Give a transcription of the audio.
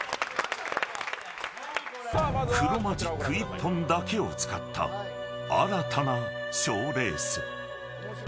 黒マジック１本だけを使った新たな賞レース。